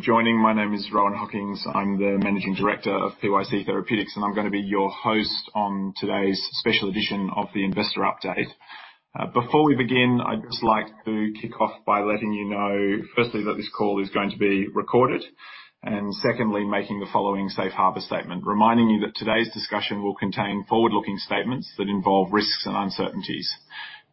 Joining. My name is Rohan Hockings. I'm the managing director of PYC Therapeutics, and I'm gonna be your host on today's special edition of the Investor Update. Before we begin, I'd just like to kick off by letting you know, firstly, that this call is going to be recorded, and secondly, making the following safe harbor statement, reminding you that today's discussion will contain forward-looking statements that involve risks and uncertainties.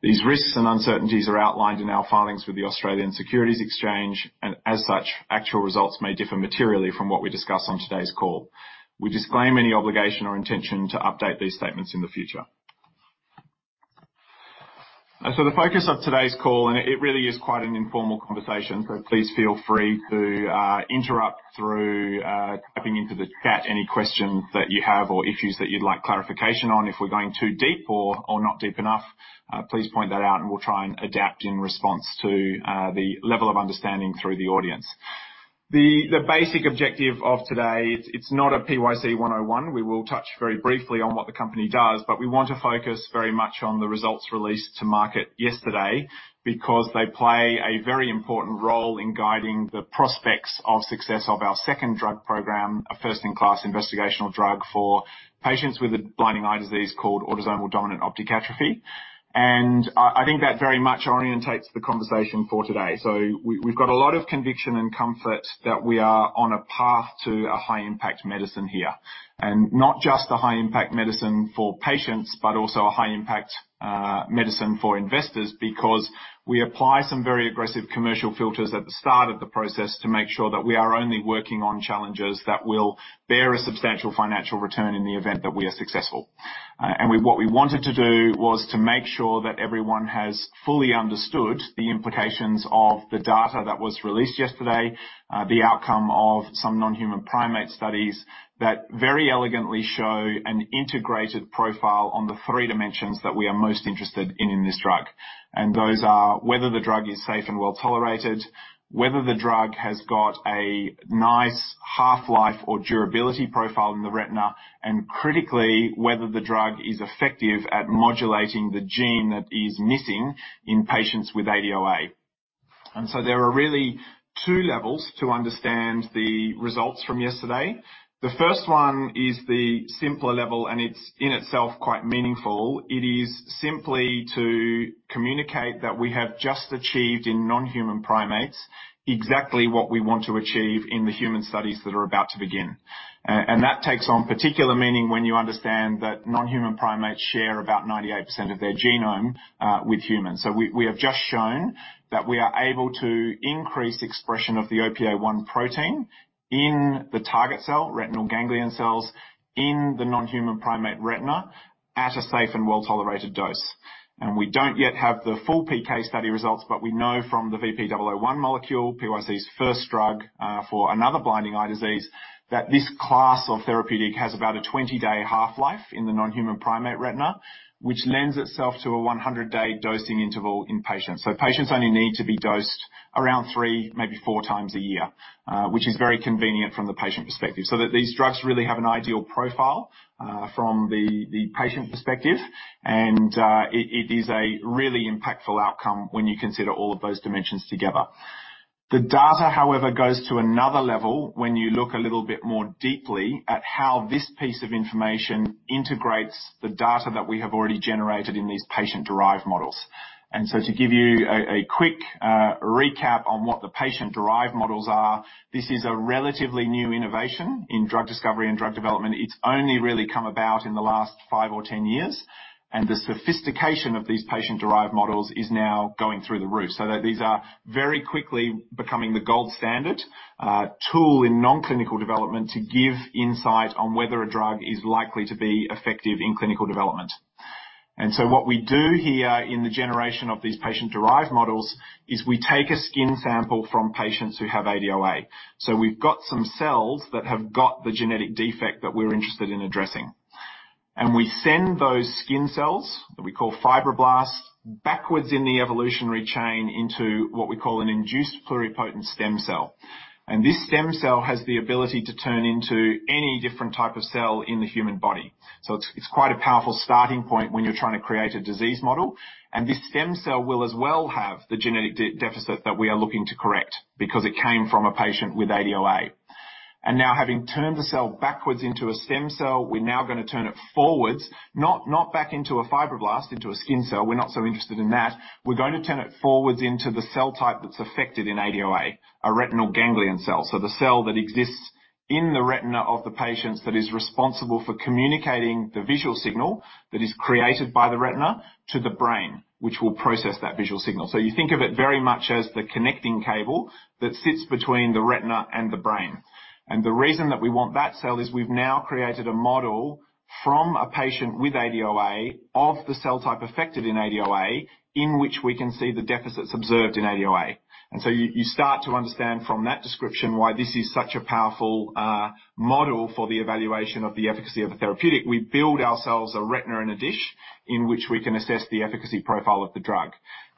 These risks and uncertainties are outlined in our filings with the Australian Securities Exchange, and as such, actual results may differ materially from what we discuss on today's call. We disclaim any obligation or intention to update these statements in the future. And so the focus of today's call, and it, it really is quite an informal conversation, so please feel free to interrupt through typing into the chat any questions that you have or issues that you'd like clarification on. If we're going too deep or not deep enough, please point that out, and we'll try and adapt in response to the level of understanding through the audience. The basic objective of today, it's not a PYC 101. We will touch very briefly on what the company does, but we want to focus very much on the results released to market yesterday, because they play a very important role in guiding the prospects of success of our second drug program, a first-in-class investigational drug for patients with a blinding eye disease called autosomal dominant optic atrophy. I think that very much orientates the conversation for today. So we've got a lot of conviction and comfort that we are on a path to a high-impact medicine here, and not just a high-impact medicine for patients, but also a high-impact medicine for investors, because we apply some very aggressive commercial filters at the start of the process to make sure that we are only working on challenges that will bear a substantial financial return in the event that we are successful. What we wanted to do was to make sure that everyone has fully understood the implications of the data that was released yesterday, the outcome of some non-human primate studies that very elegantly show an integrated profile on the three dimensions that we are most interested in in this drug. Those are whether the drug is safe and well-tolerated, whether the drug has got a nice half-life or durability profile in the retina, and critically, whether the drug is effective at modulating the gene that is missing in patients with ADOA. There are really two levels to understand the results from yesterday. The first one is the simpler level, and it's in itself quite meaningful. It is simply to communicate that we have just achieved in non-human primates exactly what we want to achieve in the human studies that are about to begin. That takes on particular meaning when you understand that non-human primates share about 98% of their genome with humans. We have just shown that we are able to increase expression of the OPA1 protein in the target cell, retinal ganglion cells, in the non-human primate retina at a safe and well-tolerated dose. We don't yet have the full PK study results, but we know from the VP-001 molecule, PYC's first drug, for another blinding eye disease, that this class of therapeutic has about a 20-day half-life in the non-human primate retina, which lends itself to a 100-day dosing interval in patients. Patients only need to be dosed around 3, maybe 4 times a year, which is very convenient from the patient perspective. So that these drugs really have an ideal profile, from the patient perspective, and it is a really impactful outcome when you consider all of those dimensions together. The data, however, goes to another level when you look a little bit more deeply at how this piece of information integrates the data that we have already generated in these patient-derived models. To give you a quick recap on what the patient-derived models are, this is a relatively new innovation in drug discovery and drug development. It's only really come about in the last five or 10 years, and the sophistication of these patient-derived models is now going through the roof. So that these are very quickly becoming the gold standard tool in non-clinical development to give insight on whether a drug is likely to be effective in clinical development. And so what we do here in the generation of these patient-derived models is we take a skin sample from patients who have ADOA. So we've got some cells that have got the genetic defect that we're interested in addressing. And we send those skin cells, that we call fibroblasts, backwards in the evolutionary chain into what we call an induced pluripotent stem cell. And this stem cell has the ability to turn into any different type of cell in the human body. So it's, it's quite a powerful starting point when you're trying to create a disease model, and this stem cell will as well have the genetic deficit that we are looking to correct, because it came from a patient with ADOA. And now, having turned the cell backwards into a stem cell, we're now gonna turn it forwards, not, not back into a fibroblast, into a skin cell. We're not so interested in that. We're gonna turn it forwards into the cell type that's affected in ADOA, a retinal ganglion cell, so the cell that exists in the retina of the patients that is responsible for communicating the visual signal that is created by the retina to the brain, which will process that visual signal. So you think of it very much as the connecting cable that sits between the retina and the brain. And the reason that we want that cell is we've now created a model from a patient with ADOA of the cell type affected in ADOA, in which we can see the deficits observed in ADOA. And so you, you start to understand from that description why this is such a powerful model for the evaluation of the efficacy of a therapeutic. We build ourselves a retina in a dish, in which we can assess the efficacy profile of the drug.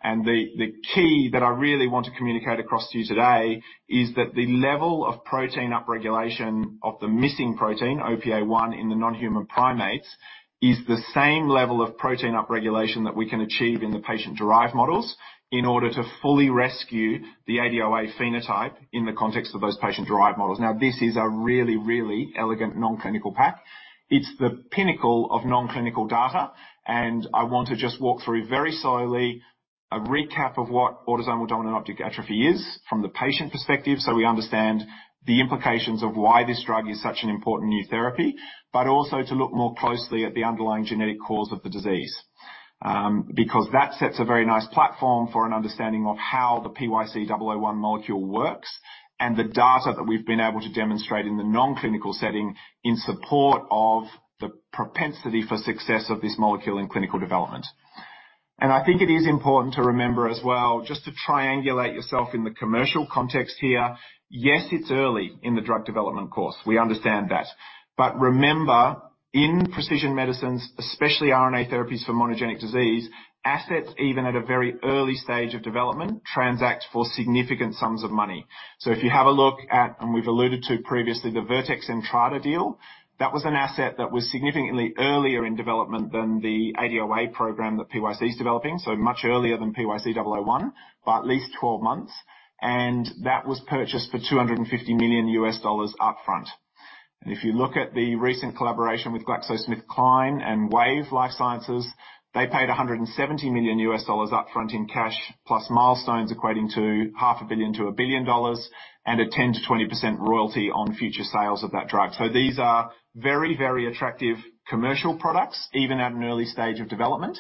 And the key that I really want to communicate across to you today is that the level of protein upregulation of the missing protein, OPA1, in the non-human primates, is the same level of protein upregulation that we can achieve in the patient-derived models, in order to fully rescue the ADOA phenotype in the context of those patient-derived models. Now, this is a really, really elegant non-clinical path. It's the pinnacle of non-clinical data, and I want to just walk through very slowly a recap of what autosomal dominant optic atrophy is from the patient perspective, so we understand the implications of why this drug is such an important new therapy, but also to look more closely at the underlying genetic cause of the disease. Because that sets a very nice platform for an understanding of how the PYC-001 molecule works, and the data that we've been able to demonstrate in the non-clinical setting in support of the propensity for success of this molecule in clinical development. And I think it is important to remember as well, just to triangulate yourself in the commercial context here, yes, it's early in the drug development course. We understand that. But remember, in precision medicines, especially RNA therapies for monogenic disease, assets, even at a very early stage of development, transact for significant sums of money. So if you have a look at, and we've alluded to previously, the Vertex and Entrada deal, that was an asset that was significantly earlier in development than the ADOA program that PYC is developing, so much earlier than PYC-001, by at least 12 months, and that was purchased for $250 million upfront. And if you look at the recent collaboration with GlaxoSmithKline and Wave Life Sciences, they paid $170 million upfront in cash, plus milestones equating to $500 million-$1 billion, and a 10%-20% royalty on future sales of that drug. So these are very, very attractive commercial products, even at an early stage of development.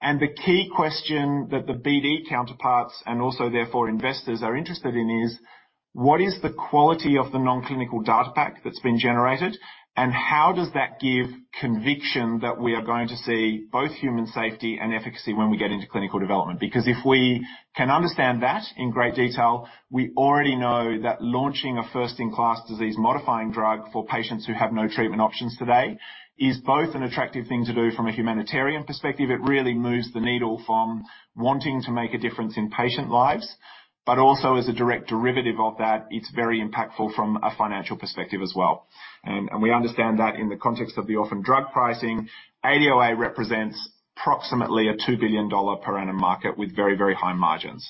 The key question that the BD counterparts, and also therefore investors, are interested in is: What is the quality of the non-clinical data pack that's been generated, and how does that give conviction that we are going to see both human safety and efficacy when we get into clinical development? Because if we can understand that in great detail, we already know that launching a first-in-class disease-modifying drug for patients who have no treatment options today, is both an attractive thing to do from a humanitarian perspective, it really moves the needle from wanting to make a difference in patient lives, but also as a direct derivative of that, it's very impactful from a financial perspective as well. And we understand that in the context of the orphan drug pricing, ADOA represents approximately a $2 billion per annum market with very, very high margins.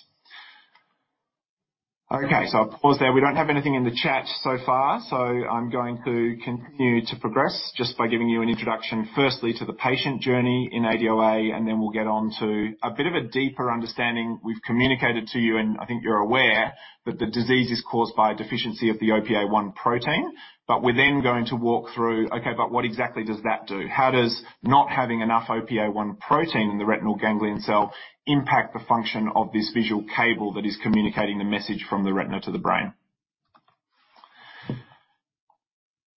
Okay, so I'll pause there. We don't have anything in the chat so far, so I'm going to continue to progress just by giving you an introduction, firstly to the patient journey in ADOA, and then we'll get on to a bit of a deeper understanding. We've communicated to you, and I think you're aware, that the disease is caused by a deficiency of the OPA1 protein, but we're then going to walk through, okay, but what exactly does that do? How does not having enough OPA1 protein in the retinal ganglion cell impact the function of this visual cable that is communicating the message from the retina to the brain?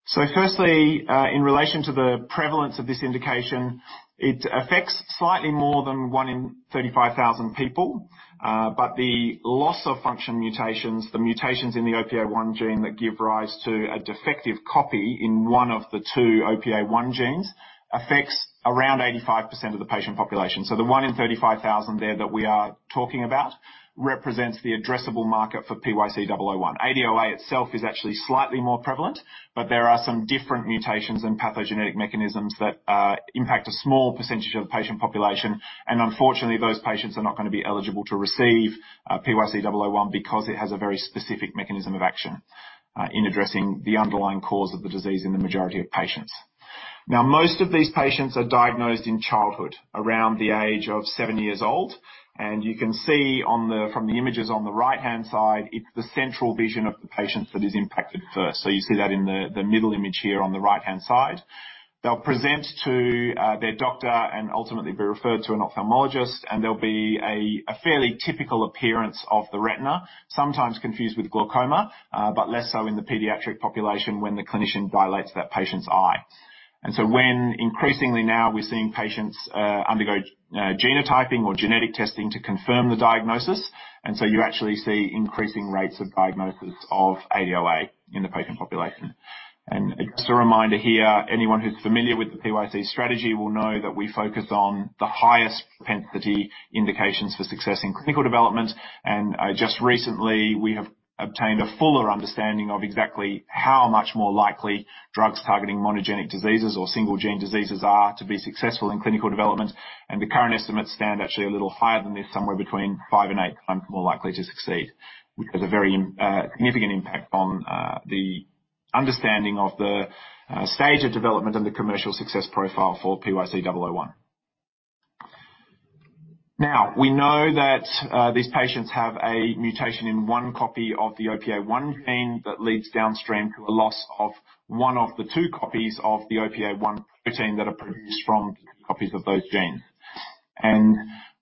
So firstly, in relation to the prevalence of this indication, it affects slightly more than one in 35,000 people. But the loss-of-function mutations, the mutations in the OPA1 gene that give rise to a defective copy in one of the two OPA1 genes, affects around 85% of the patient population. So the 1 in 35,000 there that we are talking about represents the addressable market for PYC-001. ADOA itself is actually slightly more prevalent, but there are some different mutations and pathogenetic mechanisms that impact a small percentage of the patient population, and unfortunately, those patients are not going to be eligible to receive PYC-001 because it has a very specific mechanism of action in addressing the underlying cause of the disease in the majority of patients. Now, most of these patients are diagnosed in childhood, around the age of seven years old, and you can see on the, from the images on the right-hand side, it's the central vision of the patients that is impacted first. So you see that in the middle image here on the right-hand side. They'll present to their doctor and ultimately be referred to an ophthalmologist, and there'll be a fairly typical appearance of the retina, sometimes confused with glaucoma, but less so in the pediatric population when the clinician dilates that patient's eye. And so when increasingly now we're seeing patients undergo genotyping or genetic testing to confirm the diagnosis, and so you actually see increasing rates of diagnosis of ADOA in the patient population. And just a reminder here, anyone who's familiar with the PYC strategy will know that we focus on the highest propensity indications for success in clinical development. Just recently, we have obtained a fuller understanding of exactly how much more likely drugs targeting monogenic diseases or single gene diseases are to be successful in clinical development, and the current estimates stand actually a little higher than this, somewhere between 5 and 8 times more likely to succeed, which has a very significant impact on the understanding of the stage of development and the commercial success profile for PYC-001. Now, we know that these patients have a mutation in one copy of the OPA1 gene that leads downstream to a loss of one of the two copies of the OPA1 protein that are produced from copies of those genes.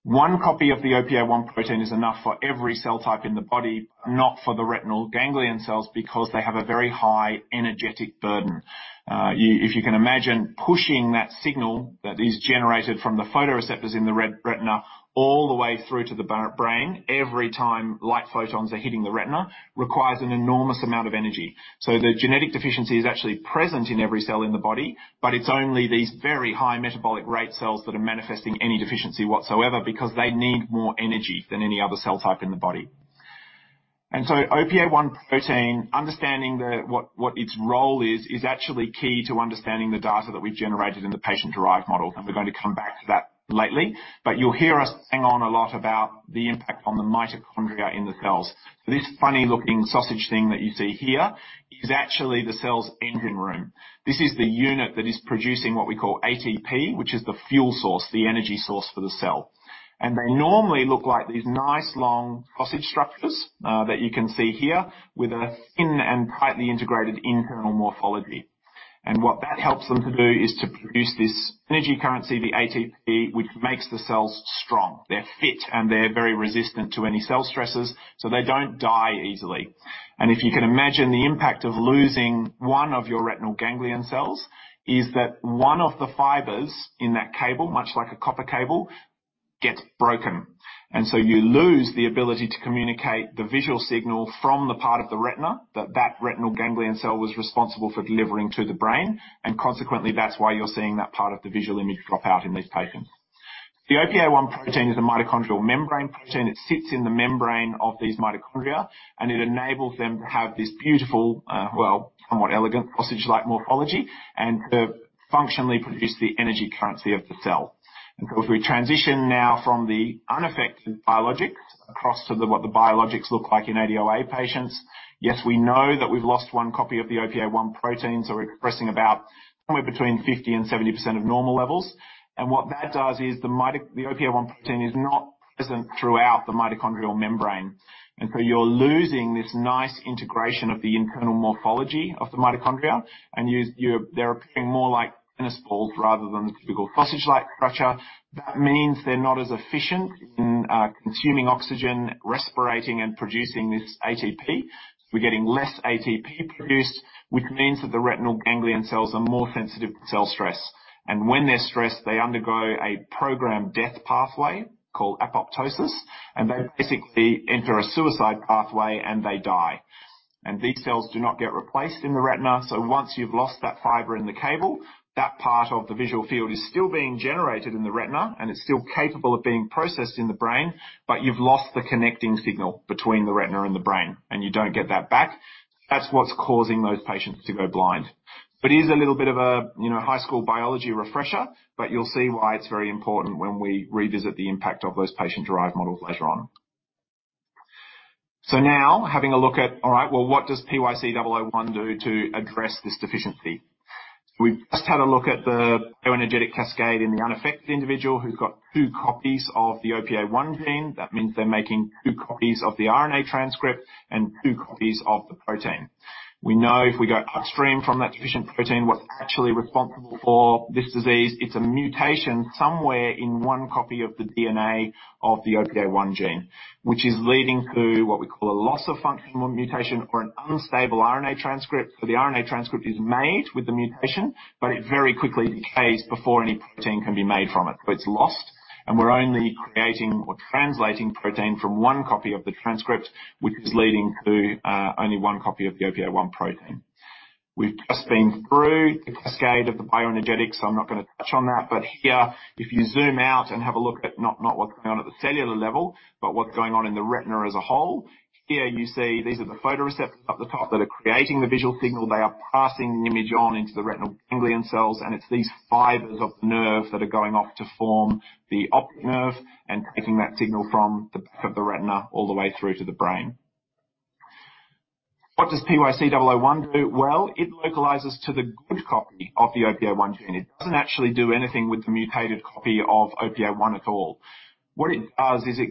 One copy of the OPA1 protein is enough for every cell type in the body, not for the retinal ganglion cells, because they have a very high energetic burden. If you can imagine pushing that signal that is generated from the photoreceptors in the retina all the way through to the brain, every time light photons are hitting the retina, requires an enormous amount of energy. So the genetic deficiency is actually present in every cell in the body, but it's only these very high metabolic rate cells that are manifesting any deficiency whatsoever, because they need more energy than any other cell type in the body. And so OPA1 protein, understanding what its role is, is actually key to understanding the data that we've generated in the patient-derived model, and we're going to come back to that lately. But you'll hear us hang on a lot about the impact on the mitochondria in the cells. So this funny-looking sausage thing that you see here is actually the cell's engine room. This is the unit that is producing what we call ATP, which is the fuel source, the energy source for the cell. They normally look like these nice, long sausage structures that you can see here, with a thin and tightly integrated internal morphology. What that helps them to do is to produce this energy currency, the ATP, which makes the cells strong. They're fit, and they're very resistant to any cell stresses, so they don't die easily. If you can imagine, the impact of losing one of your retinal ganglion cells is that one of the fibers in that cable, much like a copper cable, gets broken, and so you lose the ability to communicate the visual signal from the part of the retina that that retinal ganglion cell was responsible for delivering to the brain, and consequently, that's why you're seeing that part of the visual image drop out in these patients. The OPA1 protein is a mitochondrial membrane protein. It sits in the membrane of these mitochondria, and it enables them to have this beautiful, well, somewhat elegant, sausage-like morphology, and to functionally produce the energy currency of the cell. And so if we transition now from the unaffected biologics across to what the biologics look like in ADOA patients, yes, we know that we've lost one copy of the OPA1 protein, so we're expressing about somewhere between 50% and 70% of normal levels, and what that does is the OPA1 protein is not present throughout the mitochondrial membrane, and so you're losing this nice integration of the internal morphology of the mitochondria, and they're appearing more like tennis balls rather than the typical sausage-like structure. That means they're not as efficient in consuming oxygen, respirating, and producing this ATP. We're getting less ATP produced, which means that the retinal ganglion cells are more sensitive to cell stress, and when they're stressed, they undergo a programmed death pathway called apoptosis, and they basically enter a suicide pathway, and they die. These cells do not get replaced in the retina, so once you've lost that fiber in the cable, that part of the visual field is still being generated in the retina, and it's still capable of being processed in the brain, but you've lost the connecting signal between the retina and the brain, and you don't get that back. That's what's causing those patients to go blind. It is a little bit of a, you know, high school biology refresher, but you'll see why it's very important when we revisit the impact of those patient-derived models later on. Now having a look at, all right, well, what does PYC-001 do to address this deficiency? We've just had a look at the bioenergetic cascade in the unaffected individual who's got two copies of the OPA1 gene. That means they're making two copies of the RNA transcript and two copies of the protein. We know if we go upstream from that deficient protein, what's actually responsible for this disease, it's a mutation somewhere in one copy of the DNA of the OPA1 gene, which is leading to what we call a loss-of-function mutation or an unstable RNA transcript. So the RNA transcript is made with the mutation, but it very quickly decays before any protein can be made from it. So it's lost, and we're only creating or translating protein from one copy of the transcript, which is leading to only one copy of the OPA1 protein. We've just been through the cascade of the bioenergetics, so I'm not going to touch on that. But here, if you zoom out and have a look at not what's going on at the cellular level, but what's going on in the retina as a whole, here you see these are the photoreceptors up the top that are creating the visual signal. They are passing the image on into the retinal ganglion cells, and it's these fibers of the nerve that are going off to form the optic nerve and taking that signal from the back of the retina all the way through to the brain. What does PYC-001 do? Well, it localizes to the good copy of the OPA1 gene. It doesn't actually do anything with the mutated copy of OPA1 at all. What it does is it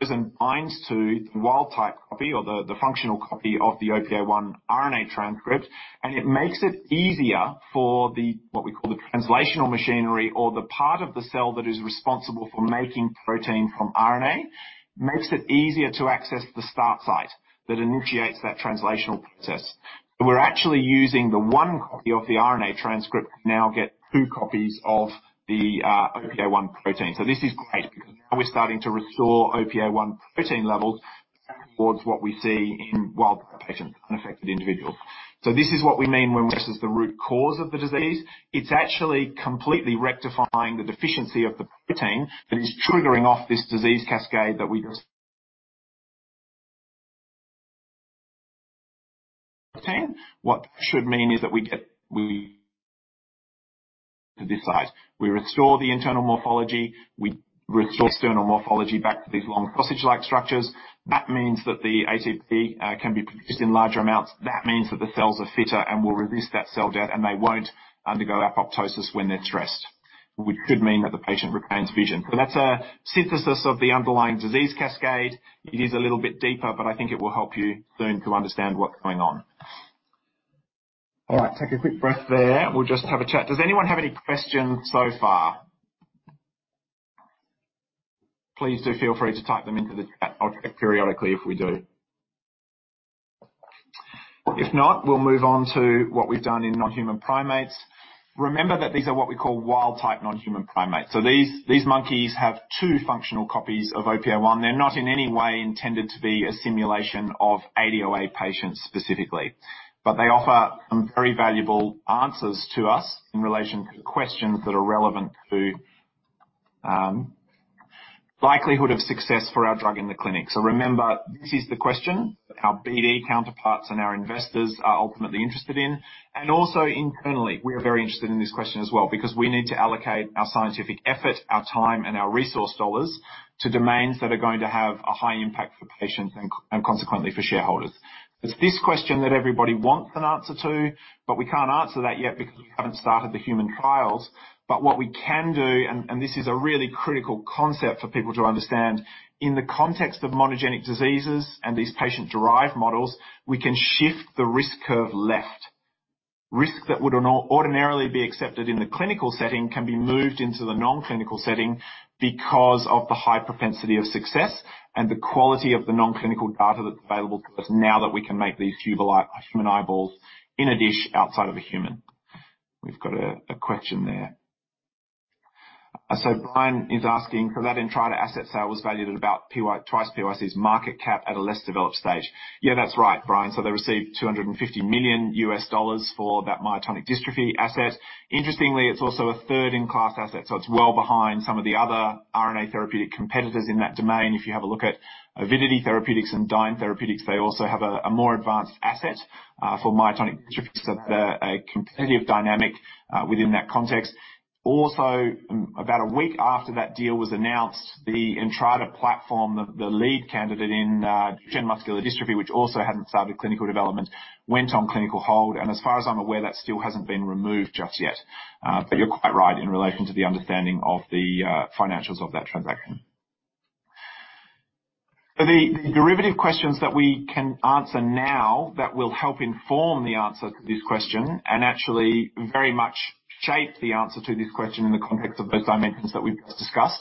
goes and binds to the wild-type copy or the functional copy of the OPA1 RNA transcript, and it makes it easier for the what we call the translational machinery, or the part of the cell that is responsible for making protein from RNA, makes it easier to access the start site that initiates that translational process. So we're actually using the one copy of the RNA transcript to now get two copies of the OPA1 protein. So this is great because now we're starting to restore OPA1 protein levels towards what we see in wild-type patients, unaffected individuals. So this is what we mean when we say this is the root cause of the disease. It's actually completely rectifying the deficiency of the protein that is triggering off this disease cascade that we just... What that should mean is that we get to this side. We restore the internal morphology. We restore external morphology back to these long, sausage-like structures. That means that the ATP can be produced in larger amounts. That means that the cells are fitter and will reduce that cell death, and they won't undergo apoptosis when they're stressed, which could mean that the patient retains vision. So that's a synthesis of the underlying disease cascade. It is a little bit deeper, but I think it will help you soon to understand what's going on. All right, take a quick breath there. We'll just have a chat. Does anyone have any questions so far? Please do feel free to type them into the chat periodically if we do. If not, we'll move on to what we've done in non-human primates. Remember that these are what we call wild-type non-human primates, so these, these monkeys have two functional copies of OPA1. They're not in any way intended to be a simulation of ADOA patients specifically, but they offer some very valuable answers to us in relation to questions that are relevant to likelihood of success for our drug in the clinic. So remember, this is the question our BD counterparts and our investors are ultimately interested in, and also internally, we are very interested in this question as well, because we need to allocate our scientific effort, our time, and our resource dollars to domains that are going to have a high impact for patients and, and consequently for shareholders. It's this question that everybody wants an answer to, but we can't answer that yet because we haven't started the human trials. But what we can do, and this is a really critical concept for people to understand, in the context of monogenic diseases and these patient-derived models, we can shift the risk curve left. Risk that would ordinarily be accepted in the clinical setting, can be moved into the non-clinical setting because of the high propensity of success and the quality of the non-clinical data that's available to us now that we can make these human eyeballs in a dish outside of a human. We've got a question there. So Brian is asking: So that Entrada asset sale was valued at about twice PYC's market cap at a less developed stage? Yeah, that's right, Brian. So they received $250 million for that myotonic dystrophy asset. Interestingly, it's also a third-in-class asset, so it's well behind some of the other RNA therapeutic competitors in that domain. If you have a look at Avidity Biosciences and Dyne Therapeutics, they also have a more advanced asset for myotonic dystrophy, so they're a competitive dynamic within that context. Also, about a week after that deal was announced, the Entrada platform, the lead candidate in Duchenne muscular dystrophy, which also hadn't started clinical development, went on clinical hold, and as far as I'm aware, that still hasn't been removed just yet. But you're quite right in relation to the understanding of the financials of that transaction. The derivative questions that we can answer now that will help inform the answer to this question, and actually very much shape the answer to this question in the context of those dimensions that we've just discussed.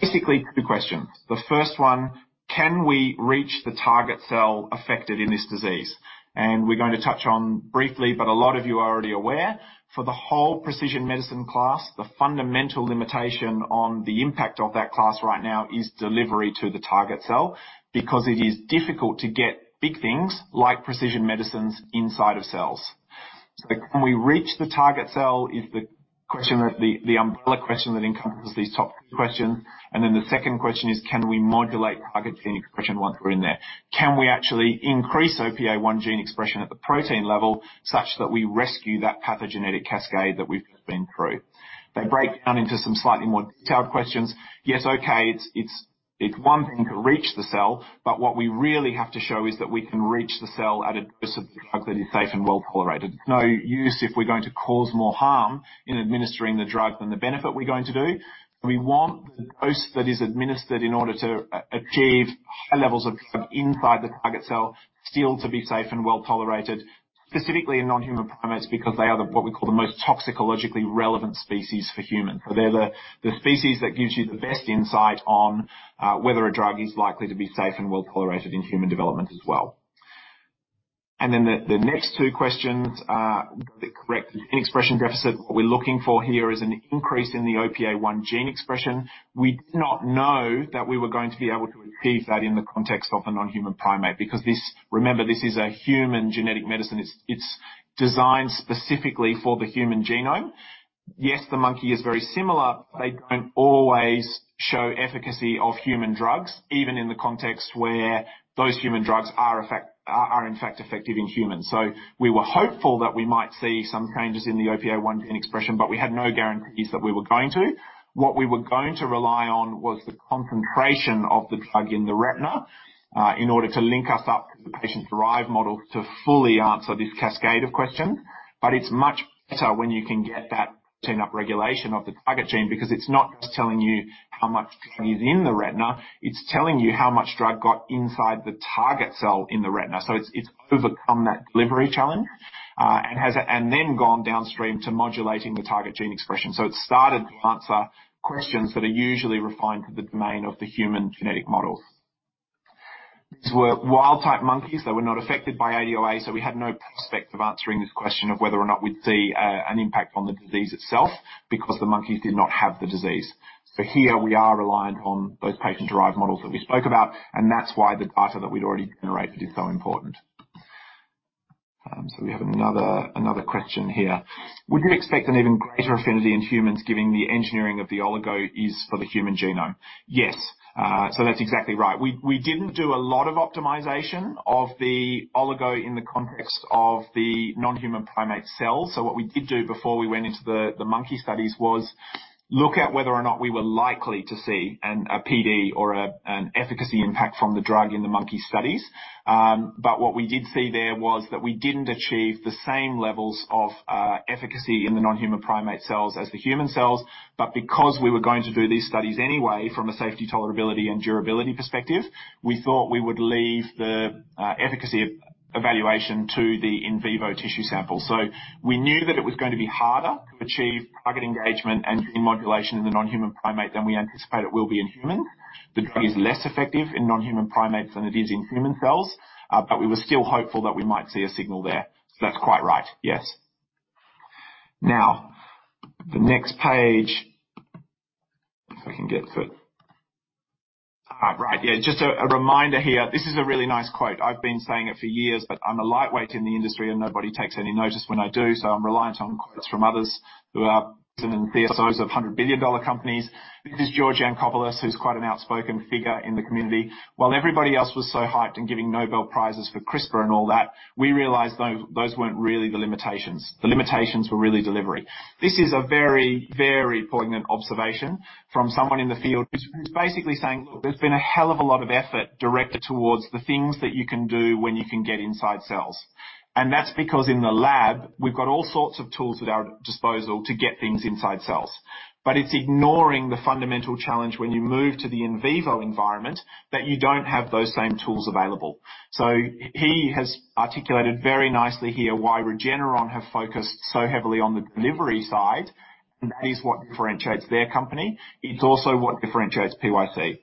Basically, two questions. The first one, can we reach the target cell affected in this disease? And we're going to touch on briefly, but a lot of you are already aware, for the whole precision medicine class, the fundamental limitation on the impact of that class right now is delivery to the target cell, because it is difficult to get big things, like precision medicines, inside of cells. So can we reach the target cell, is the question that, the umbrella question that encompasses these top questions. Then the second question is, can we modulate target gene expression once we're in there? Can we actually increase OPA1 gene expression at the protein level such that we rescue that pathogenic cascade that we've just been through? They break down into some slightly more detailed questions. Yes, okay, it's one thing to reach the cell, but what we really have to show is that we can reach the cell at a dose of the drug that is safe and well tolerated. No use if we're going to cause more harm in administering the drug than the benefit we're going to do. We want the dose that is administered in order to achieve high levels of drug inside the target cell, still to be safe and well tolerated, specifically in non-human primates, because they are the, what we call, the most toxicologically relevant species for humans. So they're the species that gives you the best insight on whether a drug is likely to be safe and well tolerated in human development as well. And then the next two questions are the correct expression deficit. What we're looking for here is an increase in the OPA1 gene expression. We did not know that we were going to be able to achieve that in the context of a non-human primate, because this... Remember, this is a human genetic medicine. It's designed specifically for the human genome. Yes, the monkey is very similar. They don't always show efficacy of human drugs, even in the context where those human drugs are, in fact, effective in humans. So we were hopeful that we might see some changes in the OPA1 gene expression, but we had no guarantees that we were going to. What we were going to rely on was the concentration of the drug in the retina in order to link us up to the patient-derived model to fully answer this cascade of questions. But it's much better when you can get that gene upregulation of the target gene, because it's not just telling you how much drug is in the retina, it's telling you how much drug got inside the target cell in the retina. So it's overcome that delivery challenge, and has and then gone downstream to modulating the target gene expression. So it started to answer questions that are usually refined to the domain of the human genetic model. These were wild-type monkeys that were not affected by ADOA, so we had no prospects of answering this question of whether or not we'd see an impact on the disease itself, because the monkeys did not have the disease. So here, we are reliant on those patient-derived models that we spoke about, and that's why the data that we'd already generated is so important. So we have another question here: Would you expect an even greater affinity in humans, giving the engineering of the oligo is for the human genome? Yes. So that's exactly right. We didn't do a lot of optimization of the oligo in the context of the non-human primate cells. So what we did do before we went into the monkey studies was look at whether or not we were likely to see a PD or an efficacy impact from the drug in the monkey studies. But what we did see there was that we didn't achieve the same levels of efficacy in the non-human primate cells as the human cells, but because we were going to do these studies anyway from a safety, tolerability, and durability perspective, we thought we would leave the efficacy evaluation to the in vivo tissue sample. So we knew that it was going to be harder to achieve target engagement and gene modulation in the non-human primate than we anticipate it will be in humans. The drug is less effective in non-human primates than it is in human cells, but we were still hopeful that we might see a signal there. So that's quite right. Yes. Now, the next page, if I can get to it. Right. Yeah, just a reminder here, this is a really nice quote. I've been saying it for years, but I'm a lightweight in the industry, and nobody takes any notice when I do, so I'm reliant on quotes from others who are CSOs of $100 billion companies. This is George Yancopoulos, who's quite an outspoken figure in the community. "While everybody else was so hyped and giving Nobel Prizes for CRISPR and all that, we realized those weren't really the limitations. The limitations were really delivery." This is a very, very poignant observation from someone in the field, who's basically saying: Look, there's been a hell of a lot of effort directed towards the things that you can do when you can get inside cells, and that's because in the lab, we've got all sorts of tools at our disposal to get things inside cells. But it's ignoring the fundamental challenge when you move to the in vivo environment, that you don't have those same tools available. So he has articulated very nicely here why Regeneron have focused so heavily on the delivery side, and that is what differentiates their company. It's also what differentiates PYC,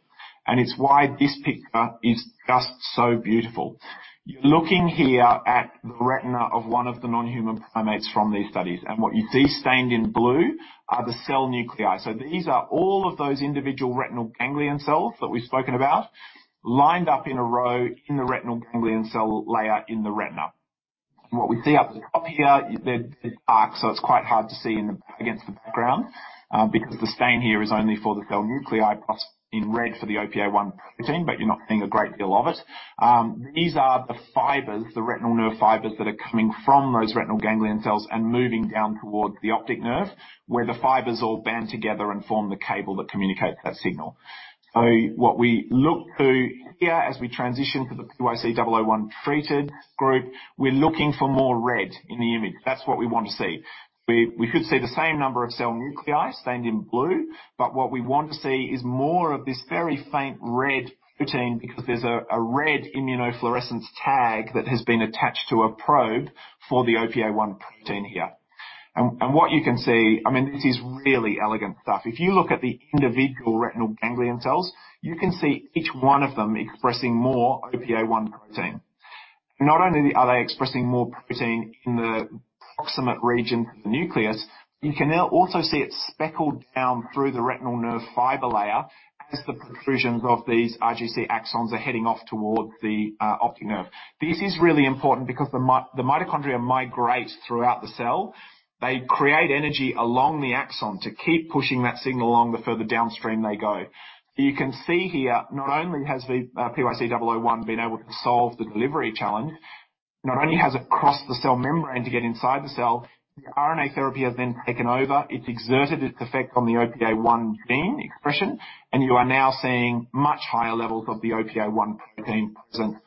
and it's why this picture is just so beautiful. You're looking here at the retina of one of the non-human primates from these studies, and what you see stained in blue are the cell nuclei. So these are all of those individual retinal ganglion cells that we've spoken about, lined up in a row in the retinal ganglion cell layer in the retina. What we see up the top here is the arc, so it's quite hard to see against the background, because the stain here is only for the cell nuclei, plus in red for the OPA1 protein, but you're not seeing a great deal of it. These are the fibers, the retinal nerve fibers that are coming from those retinal ganglion cells and moving down toward the optic nerve, where the fibers all band together and form the cable that communicates that signal. So what we look to here as we transition to the PYC-001 treated group, we're looking for more red in the image. That's what we want to see. We, we could see the same number of cell nuclei stained in blue, but what we want to see is more of this very faint red protein, because there's a, a red immunofluorescence tag that has been attached to a probe for the OPA1 protein here. And, and what you can see... I mean, this is really elegant stuff. If you look at the individual retinal ganglion cells, you can see each one of them expressing more OPA1 protein. Not only are they expressing more protein in the proximate region of the nucleus, you can now also see it speckled down through the retinal nerve fiber layer as the protrusions of these RGC axons are heading off toward the optic nerve. This is really important because the mitochondria migrate throughout the cell. They create energy along the axon to keep pushing that signal along, the further downstream they go. You can see here, not only has the PYC-001 been able to solve the delivery challenge, not only has it crossed the cell membrane to get inside the cell, the RNA therapy has then taken over. It's exerted its effect on the OPA1 gene expression, and you are now seeing much higher levels of the OPA1 protein present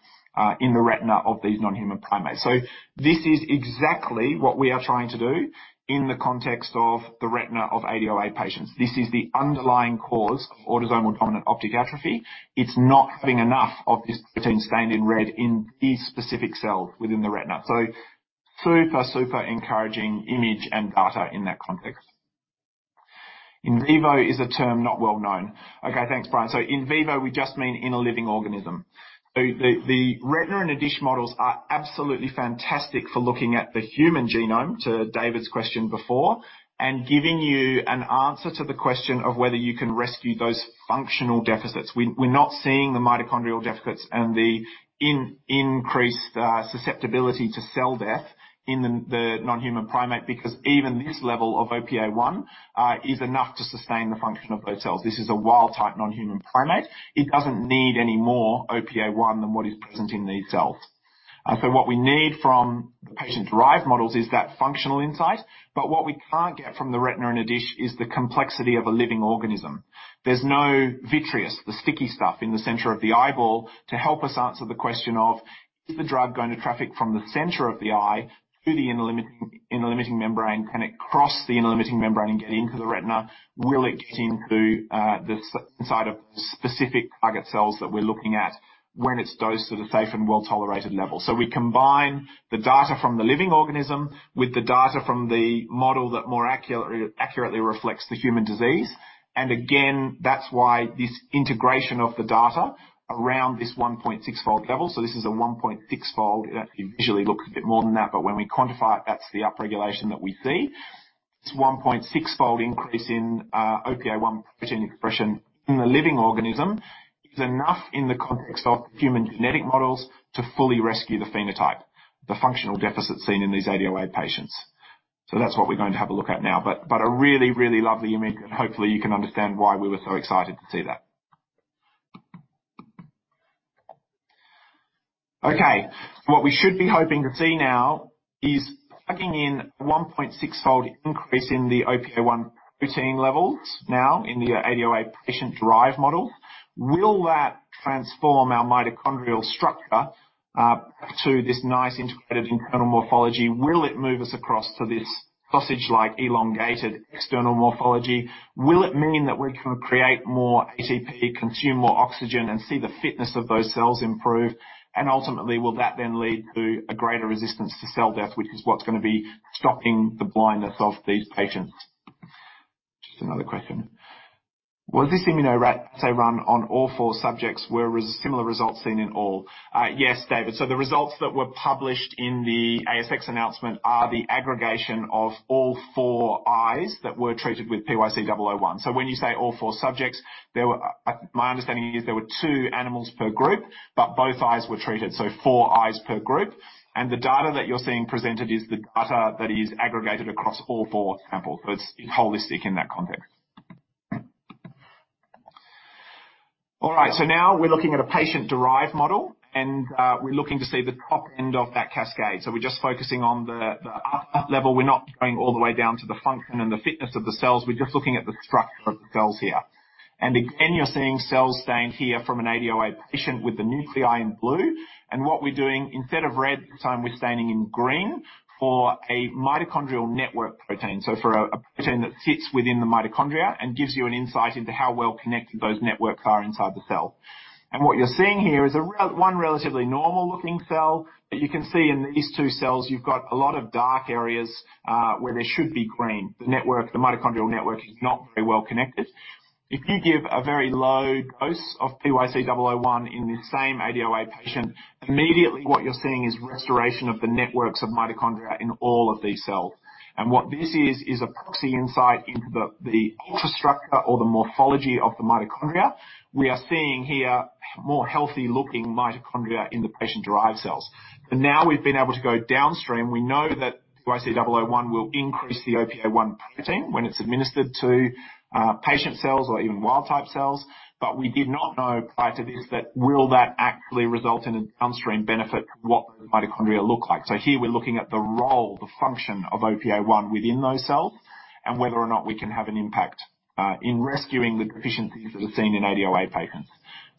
in the retina of these non-human primates. So this is exactly what we are trying to do in the context of the retina of ADOA patients. This is the underlying cause of autosomal dominant optic atrophy. It's not having enough of this protein stained in red in these specific cells within the retina. So super, super encouraging image and data in that context. In vivo is a term not well known. Okay, thanks, Brian. So in vivo, we just mean in a living organism. So the retina in a dish models are absolutely fantastic for looking at the human genome, to David's question before, and giving you an answer to the question of whether you can rescue those functional deficits. We're not seeing the mitochondrial deficits and the increased susceptibility to cell death in the non-human primate, because even this level of OPA1 is enough to sustain the function of those cells. This is a wild-type non-human primate. It doesn't need any more OPA1 than what is present in these cells. So what we need from the patient-derived models is that functional insight, but what we can't get from the retina in a dish is the complexity of a living organism. There's no vitreous, the sticky stuff in the center of the eyeball, to help us answer the question of, is the drug going to traffic from the center of the eye to the inner limiting membrane? Can it cross the inner limiting membrane and get into the retina? Will it get into the inside of specific target cells that we're looking at when it's dosed at a safe and well-tolerated level? So we combine the data from the living organism with the data from the model that more accurately reflects the human disease. And again, that's why this integration of the data around this 1.6-fold level. So this is a 1.6-fold. It visually looks a bit more than that, but when we quantify it, that's the upregulation that we see. This 1.6-fold increase in OPA1 protein expression in the living organism is enough in the context of human genetic models to fully rescue the phenotype, the functional deficits seen in these ADOA patients. So that's what we're going to have a look at now, but a really, really lovely image, and hopefully, you can understand why we were so excited to see that. Okay, what we should be hoping to see now is plugging in 1.6-fold increase in the OPA1 protein levels now in the ADOA patient-derived model. Will that transform our mitochondrial structure to this nice integrated internal morphology? Will it move us across to this sausage-like, elongated, external morphology? Will it mean that we can create more ATP, consume more oxygen, and see the fitness of those cells improve? And ultimately, will that then lead to a greater resistance to cell death, which is what's going to be stopping the blindness of these patients? Just another question: Was this immunoassay run on all four subjects, were similar results seen in all? Yes, David. So the results that were published in the ASX announcement are the aggregation of all 4 eyes that were treated with PYC-001. So when you say all 4 subjects, there were... My understanding is there were 2 animals per group, but both eyes were treated, so 4 eyes per group. And the data that you're seeing presented is the data that is aggregated across all 4 samples. So it's holistic in that context. All right, so now we're looking at a patient-derived model, and, we're looking to see the top end of that cascade. So we're just focusing on the, the upper level. We're not going all the way down to the function and the fitness of the cells. We're just looking at the structure of the cells here. And again, you're seeing cells stained here from an ADOA patient with the nuclei in blue. What we're doing, instead of red, this time we're staining in green for a mitochondrial network protein, so for a protein that sits within the mitochondria and gives you an insight into how well connected those networks are inside the cell. What you're seeing here is a relatively normal looking cell, but you can see in these two cells, you've got a lot of dark areas, where there should be green. The network, the mitochondrial network, is not very well connected. If you give a very low dose of PYC-001 in the same ADOA patient, immediately what you're seeing is restoration of the networks of mitochondria in all of these cells. What this is, is a proxy insight into the infrastructure or the morphology of the mitochondria. We are seeing here more healthy looking mitochondria in the patient-derived cells, and now we've been able to go downstream. We know that PYC-001 will increase the OPA1 protein when it's administered to patient cells or even wild type cells, but we did not know prior to this that will actually result in a downstream benefit, what the mitochondria look like? So here we're looking at the role, the function of OPA1 within those cells, and whether or not we can have an impact in rescuing the deficiencies that are seen in ADOA patients.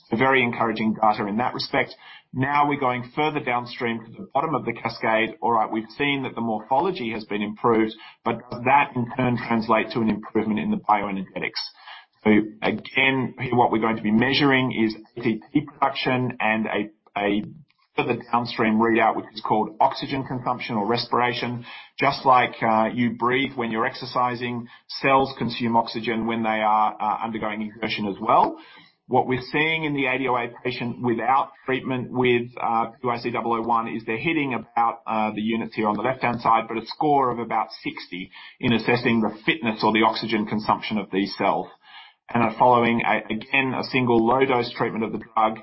So very encouraging data in that respect. Now we're going further downstream to the bottom of the cascade. All right, we've seen that the morphology has been improved, but does that, in turn, translate to an improvement in the bioenergetics? So again, here, what we're going to be measuring is ATP production and a further downstream readout, which is called oxygen consumption or respiration. Just like you breathe when you're exercising, cells consume oxygen when they are undergoing ingestion as well. What we're seeing in the ADOA patient, without treatment with PYC-001, is they're hitting about the units here on the left-hand side, but a score of about 60 in assessing the fitness or the oxygen consumption of these cells. And then following again a single low dose treatment of the drug,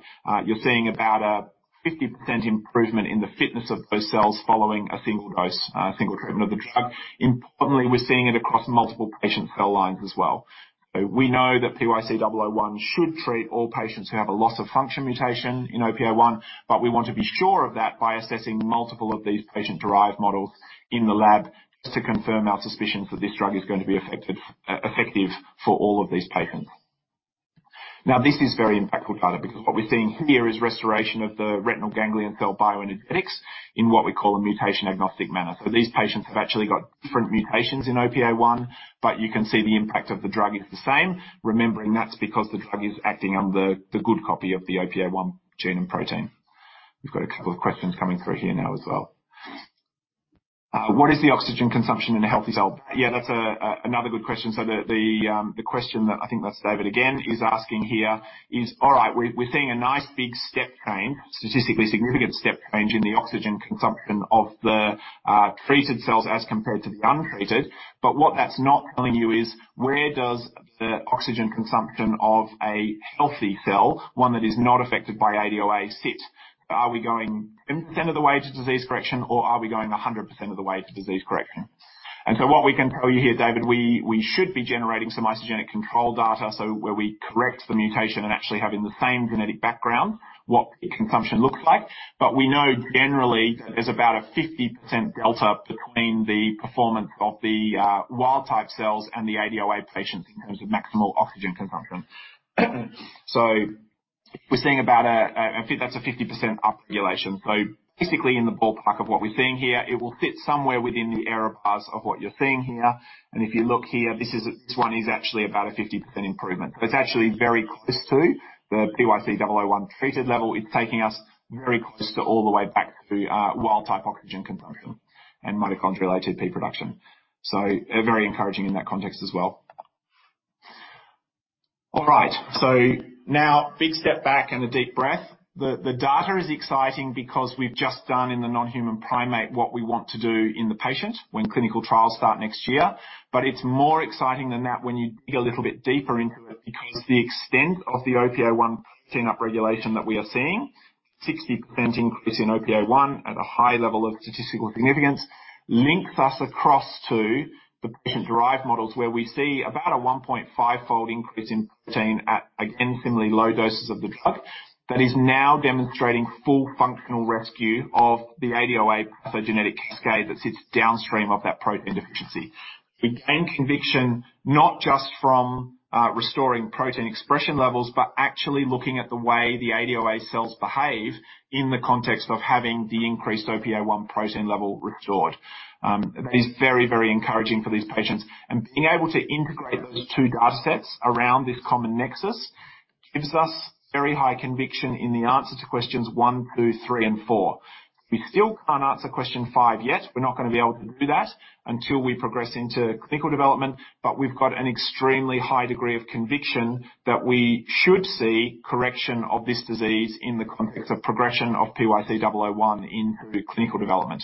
you're seeing about a 50% improvement in the fitness of those cells following a single dose, single treatment of the drug. Importantly, we're seeing it across multiple patient cell lines as well. So we know that PYC-001 should treat all patients who have a loss-of-function mutation in OPA1, but we want to be sure of that by assessing multiple of these patient-derived models in the lab, just to confirm our suspicion that this drug is going to be effective, effective for all of these patients. Now, this is very impactful data, because what we're seeing here is restoration of the retinal ganglion cell bioenergetics in what we call a mutation-agnostic manner. So these patients have actually got different mutations in OPA1, but you can see the impact of the drug is the same. Remembering that's because the drug is acting on the, the good copy of the OPA1 gene and protein. We've got a couple of questions coming through here now as well. What is the oxygen consumption in a healthy cell? Yeah, that's another good question. So the question that, I think that's David again, he's asking here is, all right, we're seeing a nice big step change, statistically significant step change in the oxygen consumption of the treated cells as compared to the untreated. But what that's not telling you is, where does the oxygen consumption of a healthy cell, one that is not affected by ADOA, sit? Are we going 10% of the way to disease correction, or are we going 100% of the way to disease correction? And so what we can tell you here, David, we should be generating some isogenic control data, so where we correct the mutation and actually have in the same genetic background what the consumption looks like. But we know generally there's about a 50% delta between the performance of the wild type cells and the ADOA patients in terms of maximal oxygen consumption. So we're seeing about a that's a 50% upregulation. So basically, in the ballpark of what we're seeing here, it will fit somewhere within the error bars of what you're seeing here. And if you look here, this one is actually about a 50% improvement. So it's actually very close to the PYC-001 treated level. It's taking us very close to all the way back to wild type oxygen consumption and mitochondrial ATP production. So very encouraging in that context as well. All right, so now big step back and a deep breath. The data is exciting because we've just done in the non-human primate what we want to do in the patient, when clinical trials start next year, but it's more exciting than that when you dig a little bit deeper into it, because the extent of the OPA1 upregulation that we are seeing, 60% increase in OPA1 at a high level of statistical significance, links us across to the patient-derived models, where we see about a 1.5-fold increase in protein at, again, similarly low doses of the drug. That is now demonstrating full functional rescue of the ADOA pathogenetic cascade that sits downstream of that protein deficiency. We gain conviction not just from, restoring protein expression levels, but actually looking at the way the ADOA cells behave in the context of having the increased OPA1 protein level restored. It is very, very encouraging for these patients, and being able to integrate those two data sets around this common nexus gives us very high conviction in the answer to questions one, two, three, and four. We still can't answer question five yet. We're not going to be able to do that until we progress into clinical development, but we've got an extremely high degree of conviction that we should see correction of this disease in the context of progression of PYC-001 in clinical development.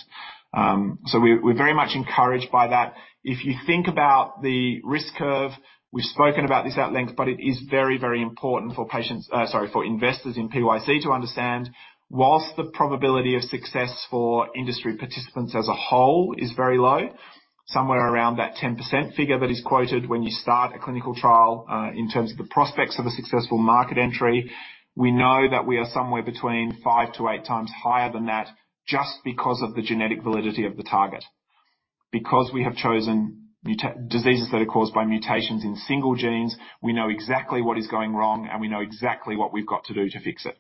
So we're very much encouraged by that. If you think about the risk curve, we've spoken about this at length, but it is very, very important for patients, sorry, for investors in PYC to understand, whilst the probability of success for industry participants as a whole is very low, somewhere around that 10% figure that is quoted when you start a clinical trial, in terms of the prospects of a successful market entry, we know that we are somewhere between 5-8 times higher than that, just because of the genetic validity of the target. Because we have chosen diseases that are caused by mutations in single genes, we know exactly what is going wrong, and we know exactly what we've got to do to fix it.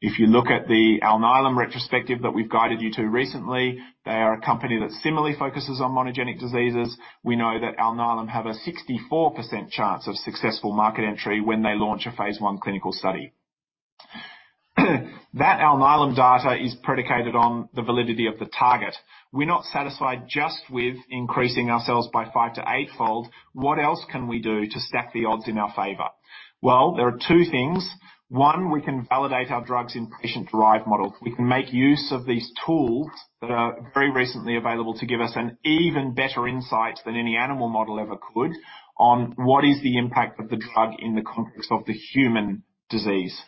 If you look at the Alnylam retrospective that we've guided you to recently, they are a company that similarly focuses on monogenic diseases. We know that Alnylam have a 64% chance of successful market entry when they launch a phase I clinical study. That Alnylam data is predicated on the validity of the target. We're not satisfied just with increasing ourselves by 5- to 8-fold. What else can we do to stack the odds in our favor? Well, there are two things. One, we can validate our drugs in patient-derived models. We can make use of these tools that are very recently available to give us an even better insight than any animal model ever could on what is the impact of the drug in the context of the human disease.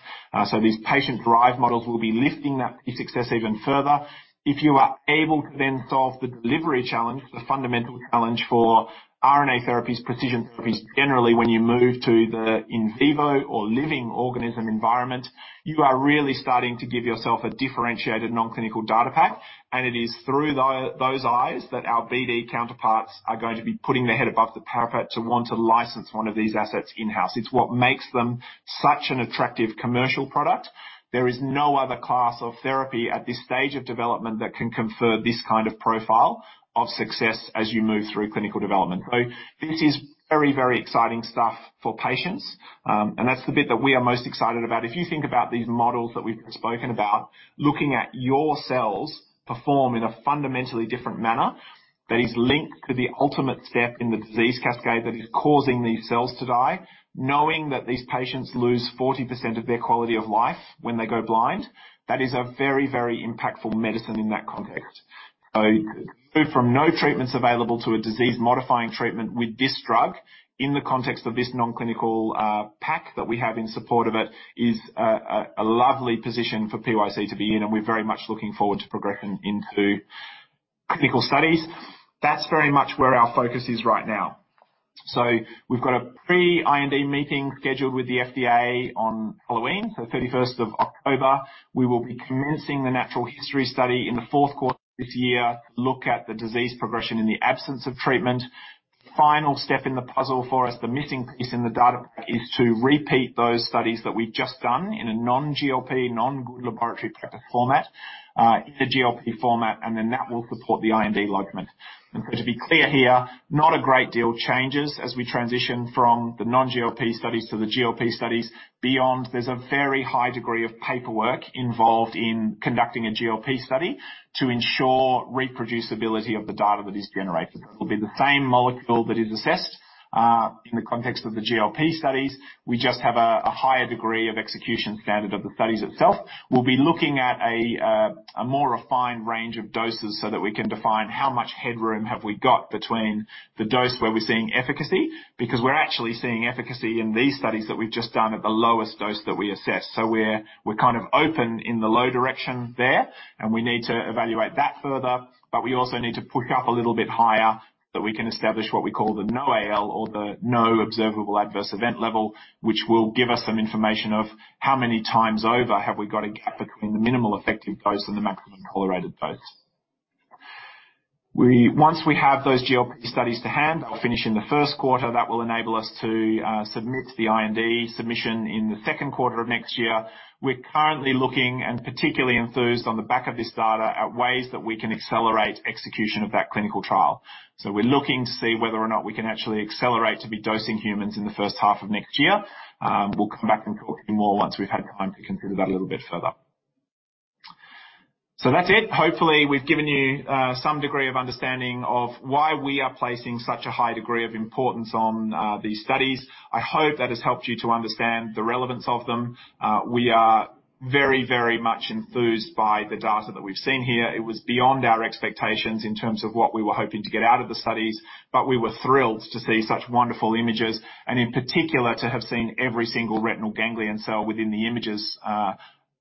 So these patient-derived models will be lifting that success even further. If you are able to then solve the delivery challenge, the fundamental challenge for RNA therapies, precision therapies, generally, when you move to the in vivo or living organism environment, you are really starting to give yourself a differentiated non-clinical data pack, and it is through those eyes that our BD counterparts are going to be putting their head above the parapet to want to license one of these assets in-house. It's what makes them such an attractive commercial product. There is no other class of therapy at this stage of development that can confer this kind of profile of success as you move through clinical development. So this is very, very exciting stuff for patients, and that's the bit that we are most excited about. If you think about these models that we've spoken about, looking at your cells perform in a fundamentally different manner that is linked to the ultimate step in the disease cascade that is causing these cells to die, knowing that these patients lose 40% of their quality of life when they go blind, that is a very, very impactful medicine in that context. So from no treatments available to a disease-modifying treatment with this drug, in the context of this non-clinical pack that we have in support of it, is a lovely position for PYC to be in, and we're very much looking forward to progressing into clinical studies. That's very much where our focus is right now. So we've got a pre-IND meeting scheduled with the FDA on Halloween, so 31st of October. We will be commencing the natural history study in the fourth quarter this year, look at the disease progression in the absence of treatment. Final step in the puzzle for us, the missing piece in the data, is to repeat those studies that we've just done in a non-GLP, non-Good Laboratory Practice format, in the GLP format, and then that will support the IND lodgment. And to be clear here, not a great deal changes as we transition from the non-GLP studies to the GLP studies. Beyond, there's a very high degree of paperwork involved in conducting a GLP study to ensure reproducibility of the data that is generated. It'll be the same molecule that is assessed, in the context of the GLP studies. We just have a higher degree of execution standard of the studies itself. We'll be looking at a more refined range of doses so that we can define how much headroom have we got between the dose where we're seeing efficacy, because we're actually seeing efficacy in these studies that we've just done at the lowest dose that we assess. So we're kind of open in the low direction there, and we need to evaluate that further, but we also need to push up a little bit higher, so that we can establish what we call the NOAEL, or the No Observable Adverse Event Level, which will give us some information of how many times over have we got a gap between the minimal effective dose and the maximum tolerated dose. Once we have those GLP studies to hand, they'll finish in the first quarter, that will enable us to submit the IND submission in the second quarter of next year. We're currently looking, and particularly enthused on the back of this data, at ways that we can accelerate execution of that clinical trial. So we're looking to see whether or not we can actually accelerate to be dosing humans in the first half of next year. We'll come back and talk more once we've had time to consider that a little bit further. So that's it. Hopefully, we've given you some degree of understanding of why we are placing such a high degree of importance on these studies. I hope that has helped you to understand the relevance of them. We are very, very much enthused by the data that we've seen here. It was beyond our expectations in terms of what we were hoping to get out of the studies, but we were thrilled to see such wonderful images and, in particular, to have seen every single retinal ganglion cell within the images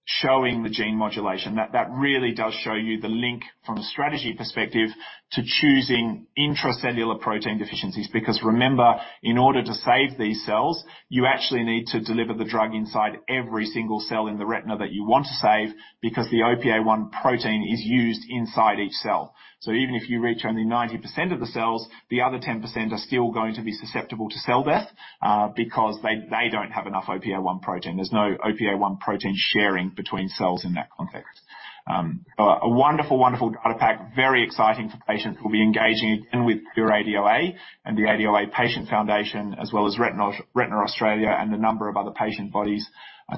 showing the gene modulation. That really does show you the link from a strategy perspective to choosing intracellular protein deficiencies, because remember, in order to save these cells, you actually need to deliver the drug inside every single cell in the retina that you want to save, because the OPA1 protein is used inside each cell. So even if you reach only 90% of the cells, the other 10% are still going to be susceptible to cell death, because they don't have enough OPA1 protein. There's no OPA1 protein sharing between cells in that context. A wonderful, wonderful data pack, very exciting for patients. We'll be engaging again with Cure ADOA and the ADOA Patient Foundation, as well as Retina Australia and a number of other patient bodies,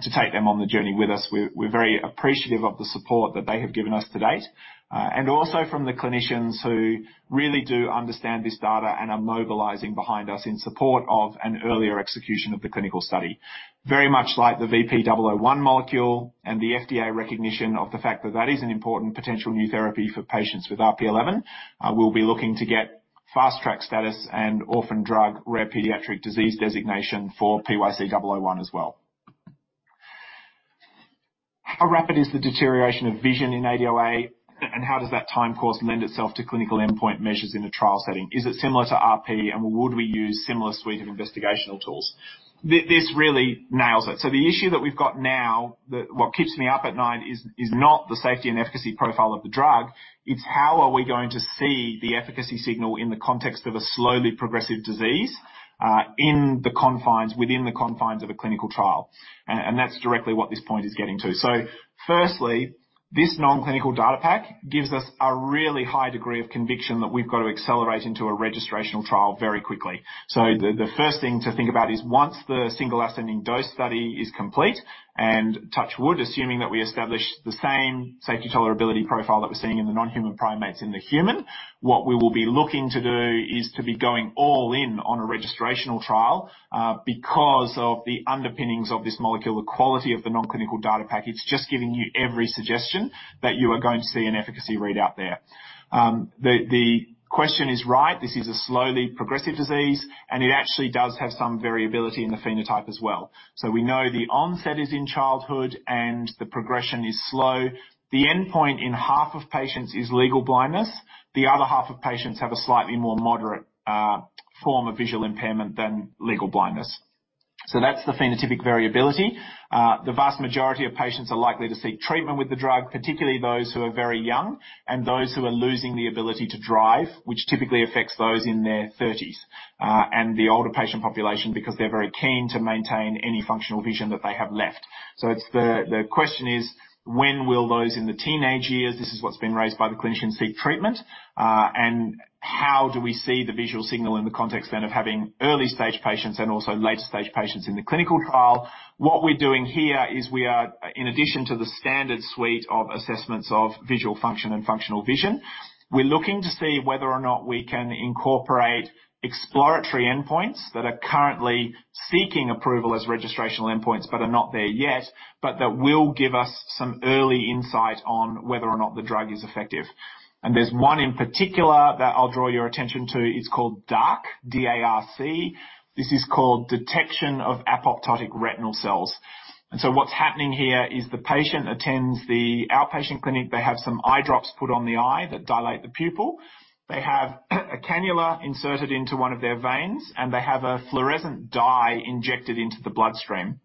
to take them on the journey with us. We're very appreciative of the support that they have given us to date, and also from the clinicians who really do understand this data and are mobilizing behind us in support of an earlier execution of the clinical study. Very much like the VP-001 molecule and the FDA recognition of the fact that that is an important potential new therapy for patients with RP11, we'll be looking to get Fast Track status and Orphan Drug, Rare Pediatric Disease designation for PYC-001 as well. How rapid is the deterioration of vision in ADOA, and how does that time course lend itself to clinical endpoint measures in a trial setting? Is it similar to RP, and would we use similar suite of investigational tools? This really nails it. So the issue that we've got now, what keeps me up at night is not the safety and efficacy profile of the drug, it's how are we going to see the efficacy signal in the context of a slowly progressive disease, in the confines, within the confines of a clinical trial? And that's directly what this point is getting to. So firstly, this non-clinical data pack gives us a really high degree of conviction that we've got to accelerate into a registrational trial very quickly. So the first thing to think about is, once the single ascending dose study is complete, and touch wood, assuming that we establish the same safety tolerability profile that we're seeing in the non-human primates in the human, what we will be looking to do is to be going all in on a registrational trial, because of the underpinnings of this molecule, the quality of the non-clinical data package, just giving you every suggestion that you are going to see an efficacy readout there. The question is right, this is a slowly progressive disease, and it actually does have some variability in the phenotype as well. So we know the onset is in childhood, and the progression is slow. The endpoint in half of patients is legal blindness. The other half of patients have a slightly more moderate form of visual impairment than legal blindness. So that's the phenotypic variability. The vast majority of patients are likely to seek treatment with the drug, particularly those who are very young and those who are losing the ability to drive, which typically affects those in their thirties, and the older patient population, because they're very keen to maintain any functional vision that they have left. So it's the... The question is, when will those in the teenage years, this is what's been raised by the clinicians, seek treatment? And how do we see the visual signal in the context then of having early-stage patients and also late-stage patients in the clinical trial? What we're doing here is we are, in addition to the standard suite of assessments of visual function and functional vision, we're looking to see whether or not we can incorporate exploratory endpoints that are currently seeking approval as registrational endpoints, but are not there yet, but that will give us some early insight on whether or not the drug is effective. There's one in particular that I'll draw your attention to. It's called DARC, D-A-R-C. This is called Detection of Apoptotic Retinal Cells. And so what's happening here is the patient attends the outpatient clinic. They have some eye drops put on the eye that dilate the pupil. They have a cannula inserted into one of their veins, and they have a fluorescent dye injected into the bloodstream.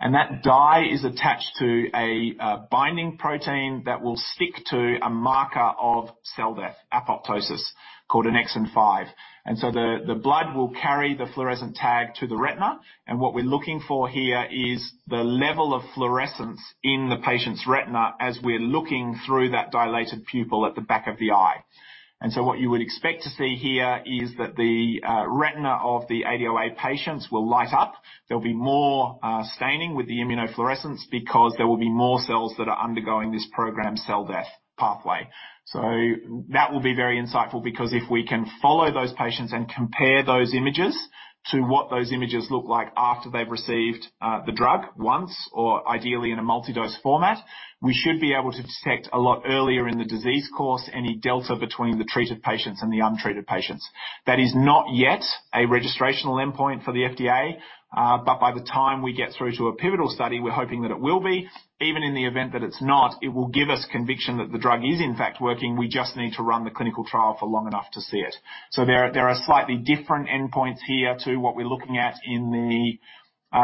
And that dye is attached to a binding protein that will stick to a marker of cell death, apoptosis, called annexin V. And so the blood will carry the fluorescent tag to the retina, and what we're looking for here is the level of fluorescence in the patient's retina as we're looking through that dilated pupil at the back of the eye. And so what you would expect to see here is that the retina of the ADOA patients will light up. There'll be more staining with the immunofluorescence because there will be more cells that are undergoing this programmed cell death pathway. So that will be very insightful because if we can follow those patients and compare those images to what those images look like after they've received the drug once or ideally in a multi-dose format, we should be able to detect a lot earlier in the disease course, any delta between the treated patients and the untreated patients. That is not yet a registrational endpoint for the FDA, but by the time we get through to a pivotal study, we're hoping that it will be. Even in the event that it's not, it will give us conviction that the drug is, in fact, working. We just need to run the clinical trial for long enough to see it. So there are slightly different endpoints here to what we're looking at in the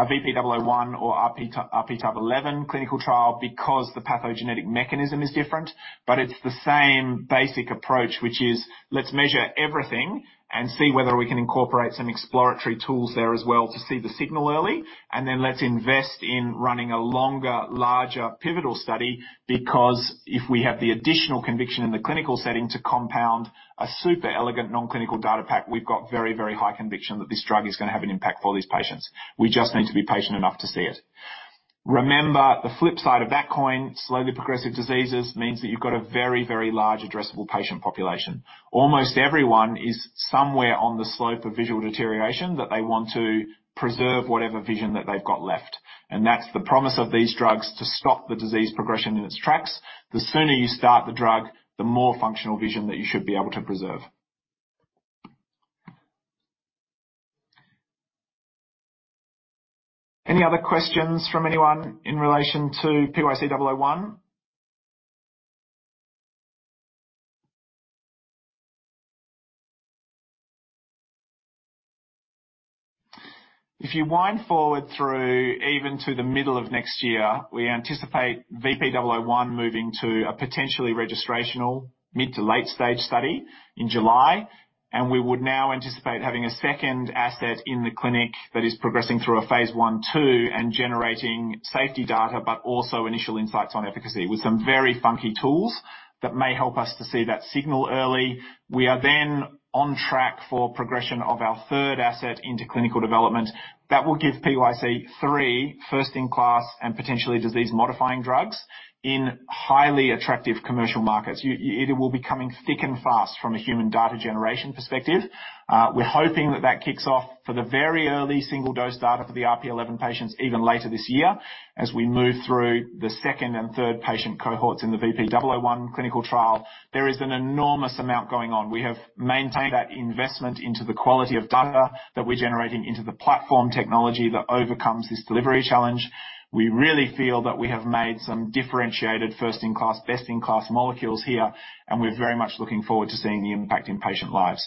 VP-001 or RP type 11 clinical trial because the pathogenetic mechanism is different, but it's the same basic approach, which is let's measure everything and see whether we can incorporate some exploratory tools there as well to see the signal early, and then let's invest in running a longer, larger pivotal study. Because if we have the additional conviction in the clinical setting to compound a super elegant non-clinical data pack, we've got very, very high conviction that this drug is gonna have an impact for all these patients. We just need to be patient enough to see it. Remember, the flip side of that coin, slowly progressive diseases, means that you've got a very, very large addressable patient population. Almost everyone is somewhere on the slope of visual deterioration, that they want to preserve whatever vision that they've got left, and that's the promise of these drugs to stop the disease progression in its tracks. The sooner you start the drug, the more functional vision that you should be able to preserve. Any other questions from anyone in relation to PYC-001? If you wind forward through, even to the middle of next year, we anticipate VP-001 moving to a potentially registrational mid- to late-stage study in July, and we would now anticipate having a second asset in the clinic that is progressing through a phase I, II, and generating safety data, but also initial insights on efficacy, with some very funky tools that may help us to see that signal early. We are then on track for progression of our third asset into clinical development. That will give PYC three first-in-class and potentially disease-modifying drugs in highly attractive commercial markets. It will be coming thick and fast from a human data generation perspective. We're hoping that that kicks off for the very early single-dose data for the RP11 patients even later this year, as we move through the second and third patient cohorts in the VP-001 clinical trial. There is an enormous amount going on. We have maintained that investment into the quality of data that we're generating into the platform technology that overcomes this delivery challenge. We really feel that we have made some differentiated, first-in-class, best-in-class molecules here, and we're very much looking forward to seeing the impact in patient lives.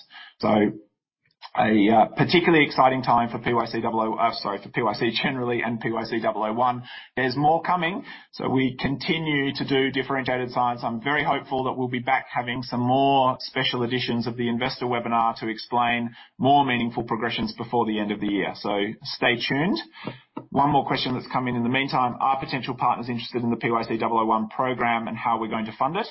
A particularly exciting time for PYC-002, sorry, for PYC generally, and PYC-001. There's more coming, so we continue to do differentiated science. I'm very hopeful that we'll be back having some more special editions of the investor webinar to explain more meaningful progressions before the end of the year, so stay tuned. One more question that's come in, in the meantime: "Are potential partners interested in the PYC-001 program, and how are we going to fund it?"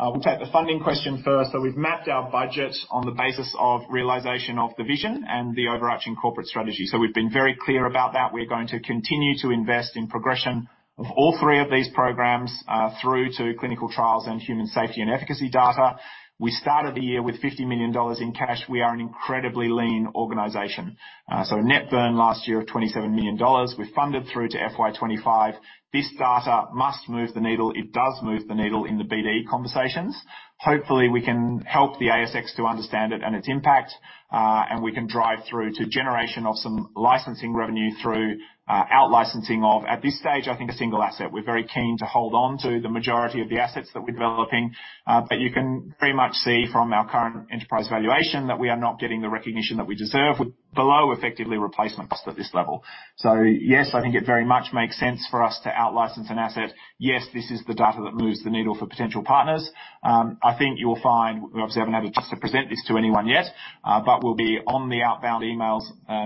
We'll take the funding question first. So we've mapped our budget on the basis of realization of the vision and the overarching corporate strategy, so we've been very clear about that. We're going to continue to invest in progression of all three of these programs through to clinical trials and human safety and efficacy data. We started the year with 50 million dollars in cash. We are an incredibly lean organization. So net burn last year of 27 million dollars. We're funded through to FY 2025. This data must move the needle. It does move the needle in the BD conversations. Hopefully, we can help the ASX to understand it and its impact, and we can drive through to generation of some licensing revenue through, out-licensing of, at this stage, I think, a single asset. We're very keen to hold on to the majority of the assets that we're developing, but you can pretty much see from our current enterprise valuation that we are not getting the recognition that we deserve with below effectively replacement cost at this level. So, yes, I think it very much makes sense for us to out-license an asset. Yes, this is the data that moves the needle for potential partners. I think you'll find, we obviously haven't had a chance to present this to anyone yet, but we'll be on the outbound emails,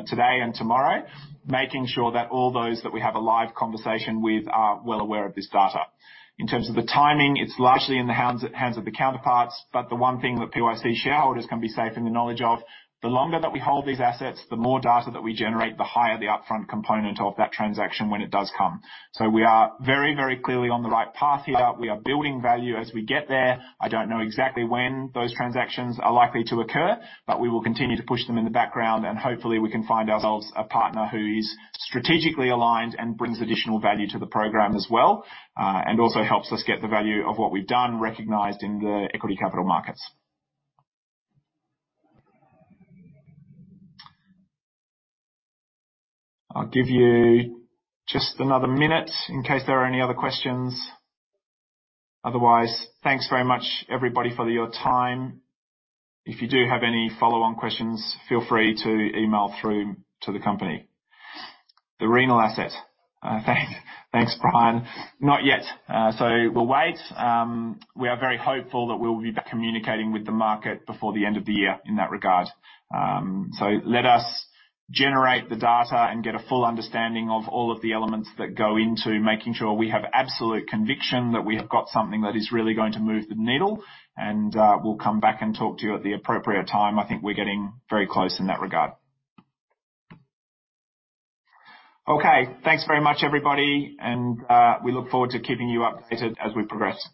today and tomorrow, making sure that all those that we have a live conversation with are well aware of this data. In terms of the timing, it's largely in the hands of the counterparts, but the one thing that PYC shareholders can be safe in the knowledge of, the longer that we hold these assets, the more data that we generate, the higher the upfront component of that transaction when it does come. So we are very, very clearly on the right path here. We are building value as we get there. I don't know exactly when those transactions are likely to occur, but we will continue to push them in the background, and hopefully, we can find ourselves a partner who is strategically aligned and brings additional value to the program as well, and also helps us get the value of what we've done recognized in the equity capital markets. I'll give you just another minute in case there are any other questions. Otherwise, thanks very much, everybody, for your time. If you do have any follow-on questions, feel free to email through to the company. The renal asset. Thanks, Brian. Not yet. So we'll wait. We are very hopeful that we'll be back communicating with the market before the end of the year in that regard. So, let us generate the data and get a full understanding of all of the elements that go into making sure we have absolute conviction that we have got something that is really going to move the needle, and we'll come back and talk to you at the appropriate time. I think we're getting very close in that regard. Okay, thanks very much, everybody, and we look forward to keeping you updated as we progress.